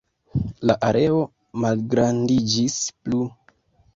La areo malgrandiĝis plu.